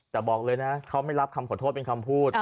แต่บอกเลยนะเขาไม่รับคำขอโทษเป็นคำพูด